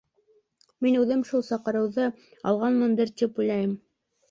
Мин үҙем, шул саҡырыуҙы алғанмындыр, тип уйлайым.